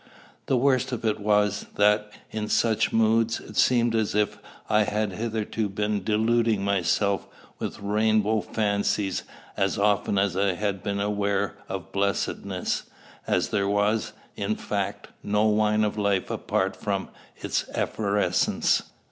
The worst of it was, that, in such moods, it seemed as if I had hitherto been deluding myself with rainbow fancies as often as I had been aware of blessedness, as there was, in fact, no wine of life apart from its effervescence.